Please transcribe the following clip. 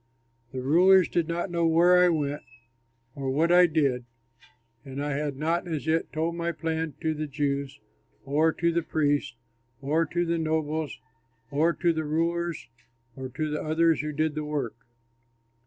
The rulers did not know where I went or what I did, and I had not as yet told my plan to the Jews or to the priests or to the nobles or to the rulers or to the others who did the work.